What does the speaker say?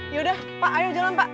yaudah pak ayo jalan pak